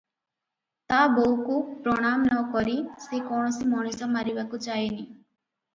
ତା ବୋଉକୁ ପ୍ରଣାମ ନକରି ସେ କୌଣସି ମଣିଷ ମାରିବାକୁ ଯାଏନି